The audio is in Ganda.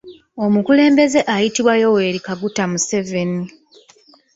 Omukulembeze ayitibwa Yoweri Kaguta Museven.